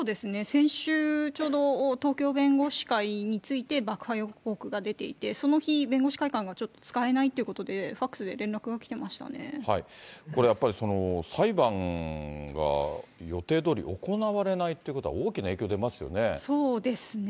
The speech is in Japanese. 先週、ちょうど東京弁護士会について爆破予告が出ていて、その日、弁護士会館がちょっと使えないということで、これやっぱり、裁判が予定どおり行われないということは、そうですね。